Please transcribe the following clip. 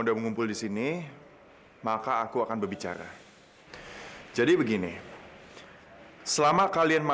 sampai jumpa di video selanjutnya